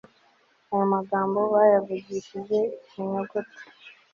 aya magambo bayavugishije ikinyogote